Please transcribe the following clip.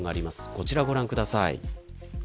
こちらご覧ください。